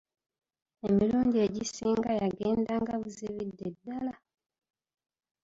Emirundi egisinga yagendanga buzibidde ddala.